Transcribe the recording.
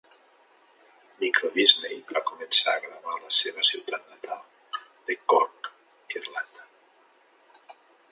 Microdisney va començar a gravar a la seva ciutat natal de Cork, Irlanda.